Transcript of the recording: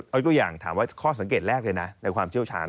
เอาตัวอย่างถามว่าข้อสังเกตแรกเลยนะในความเชี่ยวชาญ